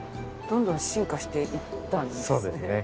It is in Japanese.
どんどん進化していったんですね。